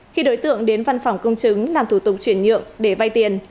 khi đối tượng đến văn phòng công chứng làm thủ tục chuyển nhượng để vay tiền